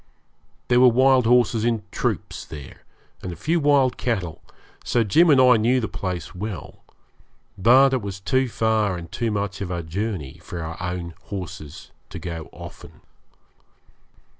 There were wild horses in troops there, and a few wild cattle, so Jim and I knew the place well; but it was too far and too much of a journey for our own horses to go often.